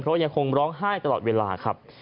เพราะยังคงร้องไห้ตลอดเวลาครับ